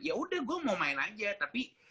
ya udah gue mau main aja tapi